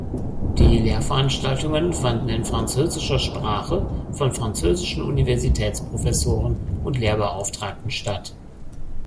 Die Lehrveranstaltungen fanden in französischer Sprache von französischen Universitätsprofessoren und Lehrbeauftragten statt.